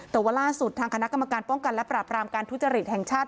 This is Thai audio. แต่ว่าล่าสุดทางคณะกรรมการป้องกันและปราบรามการทุจริตแห่งชาติ